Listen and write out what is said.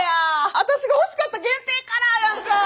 あたしが欲しかった限定カラーやんか。